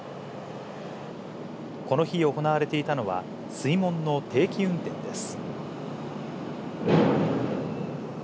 この日、行われていたのは、水門の定期運転です。